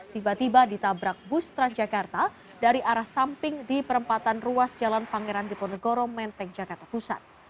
tiba tiba ditabrak bus transjakarta dari arah samping di perempatan ruas jalan pangeran diponegoro menteng jakarta pusat